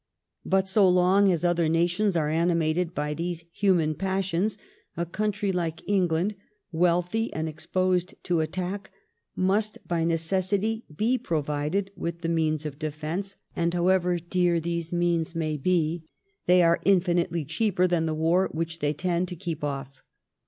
But so long as other nations are animated by" these human passions, a country like England, wealthy, and exposed to attack, must by necessity be provided with the means of defence, and however dear these means may be, they are infinitely cheaper than the war which they tend to keep off.